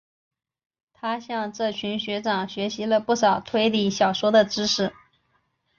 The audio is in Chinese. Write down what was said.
他向这群学长学习了不少推理小说的知识。